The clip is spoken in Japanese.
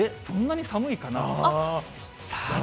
そんなに寒いかなと。